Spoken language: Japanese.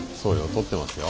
撮ってますよ。